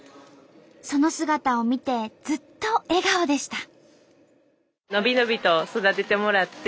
その姿を見てずっと笑顔でした。